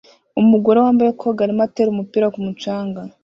Umugore wambaye koga arimo atera umupira ku mucanga